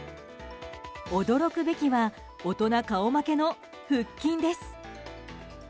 驚くべきは大人顔負けの腹筋です。